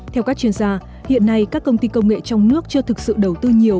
theo các chuyên gia hiện nay các công ty công nghệ trong nước chưa thực sự đầu tư nhiều